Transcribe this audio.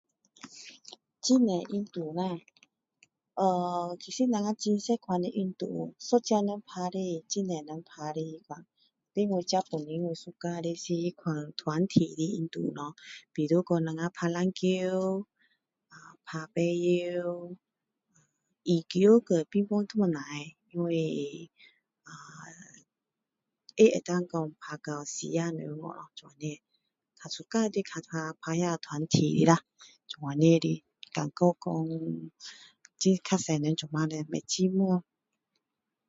很多运动啦其实我们很多款的运动一个人打的很多人打的那种tapi 我自己本身我喜欢打的是那种团体打的那种比如说我们打篮球打排球羽球和乒乓都不错因为呃它能够说打到4个人喔这样子比较suka 就是看看那个打团体的这样子的感觉说比较多人不会寂寞咯